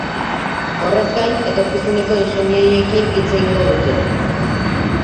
Horrez gain, etorkizuneko ingenieriekin hitz egingo dute.